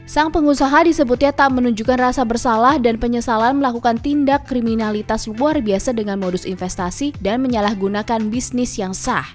sang pengusaha disebutnya tak menunjukkan rasa bersalah dan penyesalan melakukan tindak kriminalitas luar biasa dengan modus investasi dan menyalahgunakan bisnis yang sah